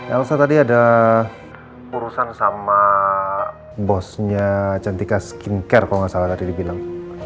elsa tadi ada urusan sama bosnya cantika skincare kalau nggak salah tadi dibilang